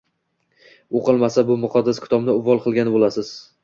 o‘qilmasa bu muqaddas kitobni uvol qilgan bo‘lasiz!